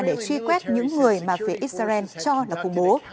để truy quét những người mà phía israel cho là khủng bố